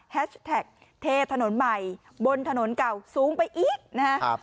แท็กเทถนนใหม่บนถนนเก่าสูงไปอีกนะครับ